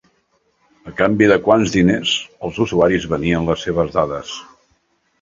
A canvi de quants diners els usuaris venien les seves dades?